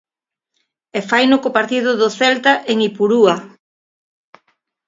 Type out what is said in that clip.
E faino co partido do Celta en Ipurúa.